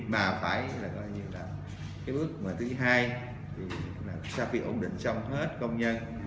mà phải là cái bước thứ hai thì là sao khi ổn định xong hết công nhân